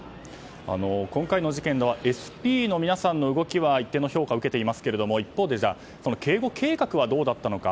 今回の事件ではＳＰの皆さんの動きは一定の評価を受けていますが一方で警護計画はどうだったのか。